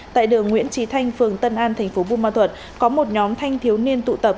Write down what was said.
tại đường nguyễn trí thanh phường tân an thành phố buôn ma thuật có một nhóm thanh thiếu niên tụ tập